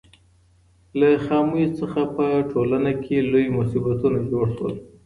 له خامیو څخه په ټولنه کې لوی مصیبتونه جوړ سول.